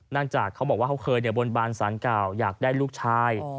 จากเขาบอกว่าเขาเคยบนบานสารเก่าอยากได้ลูกชาย